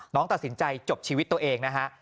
ตัดสินใจจบชีวิตตัวเองนะฮะ